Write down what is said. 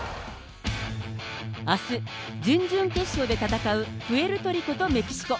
あす、準々決勝で戦うプエルトリコとメキシコ。